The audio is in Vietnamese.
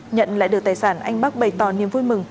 nhận lại được tài sản anh bắc bày tỏ niềm vui mừng